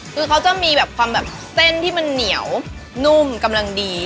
คือเขาจะมีแบบความแบบเส้นที่มันเหนียวนุ่มกำลังดี